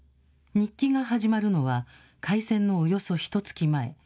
日記が始まるのは、開戦のおよそひとつき前。